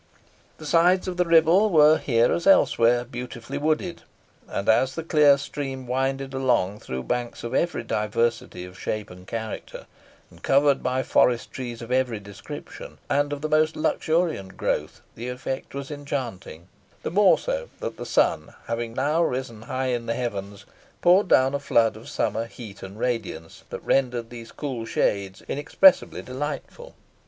The sides of the Ribble were here, as elsewhere, beautifully wooded, and as the clear stream winded along through banks of every diversity of shape and character, and covered by forest trees of every description, and of the most luxuriant growth, the effect was enchanting; the more so, that the sun, having now risen high in the heavens, poured down a flood of summer heat and radiance, that rendered these cool shades inexpressibly delightful.